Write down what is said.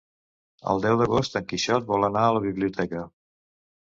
El deu d'agost en Quixot vol anar a la biblioteca.